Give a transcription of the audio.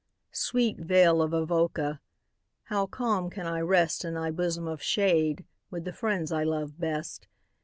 Sweet vale of Avoca! how calm could I rest In thy bosom of shade, with the friends I love best.